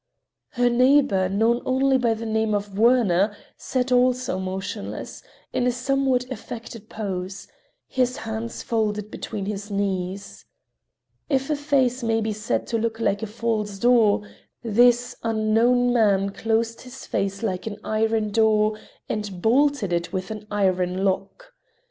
Her neighbor, known only by the name of Werner, sat also motionless, in a somewhat affected pose, his hands folded between his knees. If a face may be said to look like a false door, this unknown man closed his face like an iron door and bolted it with an iron lock.